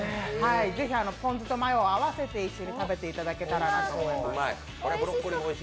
ぜひ、ポン酢とマヨを合わせて一緒に食べていただけたらと思います。